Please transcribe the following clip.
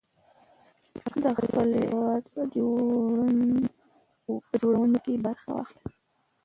د خپل هېواد په جوړونه کې برخه واخلئ.